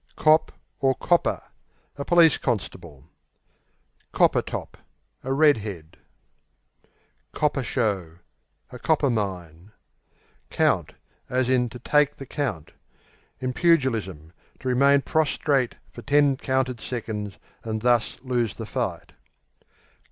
Cop (or Copper) A police constable. Copper top Red head. Copper show A copper mine. Count, to take the In pugilism, to remain prostrate for ten counted seconds, and thus lose the fight.